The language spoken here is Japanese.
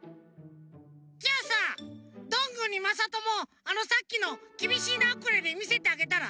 じゃあさどんぐーにまさともあのさっきの「きびしいなウクレレ」みせてあげたら？